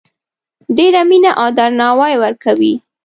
ډیره مینه او درناوی ورکوي